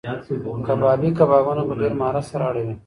کبابي کبابونه په ډېر مهارت سره اړوي.